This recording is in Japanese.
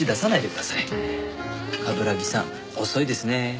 冠城さん遅いですね。